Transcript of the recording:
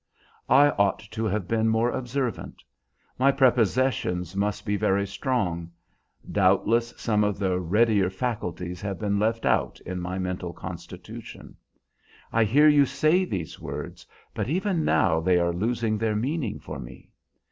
I ought to have been more observant. My prepossessions must be very strong; doubtless some of the readier faculties have been left out in my mental constitution. I hear you say these words, but even now they are losing their meaning for me.